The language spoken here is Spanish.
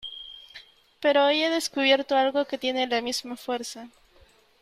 pero hoy he descubierto algo que tiene la misma fuerza .